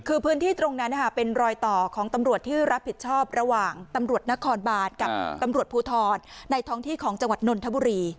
คือพื้นที่ตรงนั้นเป็นรอยต่อของตำรวจที่รับผิดชอบระหว่างตำรวจนครบานกับตำรวจภูทรในท้องที่ของจังหวัดนนทบุรี